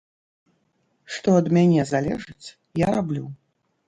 Што ад мяне залежыць, я раблю.